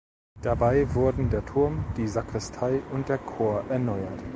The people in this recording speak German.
Dabei wurden der Turm, die Sakristei und der Chor erneuert.